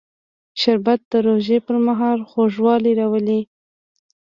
شربت د روژې پر مهال خوږوالی راولي